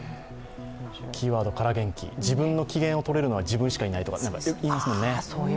キーワード、空元気、自分の機嫌をとれるのは自分しかいないとか、よく言いますもんね。